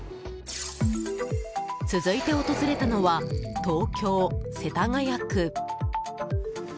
続いて訪れたのは東京・世田谷区。